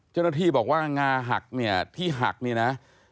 เจ้าหน้าที่บอกว่างาหักที่หักนี่นะ